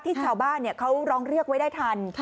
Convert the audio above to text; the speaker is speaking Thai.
ชาวบ้านเขาร้องเรียกไว้ได้ทัน